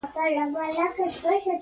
احمد زړه راغونډ کړ؛ او خبره يې وکړه.